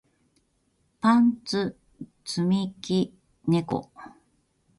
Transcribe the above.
パンツ積み木猫